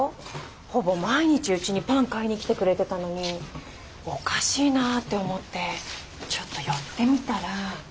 ほぼ毎日うちにパン買いに来てくれてたのにおかしいなって思ってちょっと寄ってみたら。